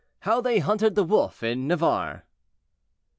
HOW THEY HUNTED THE WOLF IN NAVARRE.